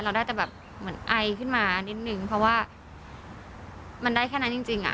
ได้แต่แบบเหมือนไอขึ้นมานิดนึงเพราะว่ามันได้แค่นั้นจริงอ่ะ